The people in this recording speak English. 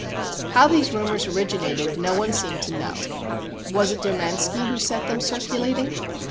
How these rumours originated none seemed to know. Was it Domanski who set them circulating?